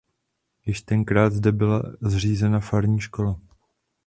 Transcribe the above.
Již tenkrát zde byla zřízena farní škola.